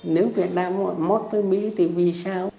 nếu việt nam mất với mỹ thì vì sao